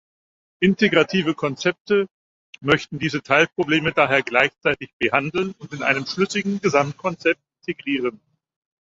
Integrative Konzepte möchten diese Teilprobleme daher gleichzeitig behandeln und in einem schlüssigen Gesamtkonzept integrieren.